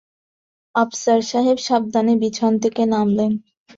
আফসার সাহেব সাবধানে বিছানা থেকে নামলেন।